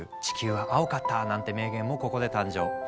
「地球は青かった」なんて名言もここで誕生。